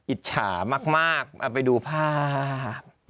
อิจฉามากเอาไปดูภาพ